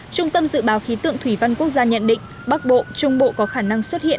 trung tâm dự báo khí tượng thủy văn quốc gia nhận định bắc bộ trung bộ có khả năng xuất hiện